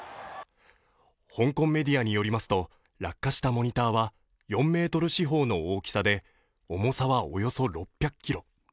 香港メディアによりますと落下したモニターは４ｍ四方の大きさで重さはおよそ６００ｋｇ。